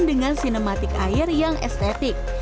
dengan sinematik air yang estetik